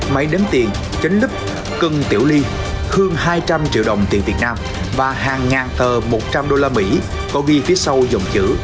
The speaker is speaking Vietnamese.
máy đánh tiền chánh líp cân tiểu ly hương hai trăm linh triệu đồng tiền việt nam và hàng ngàn tờ một trăm linh đô la mỹ có ghi phía sau dòng chữ